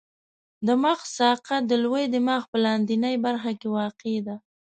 د مغز ساقه د لوی دماغ په لاندنۍ برخه کې واقع ده.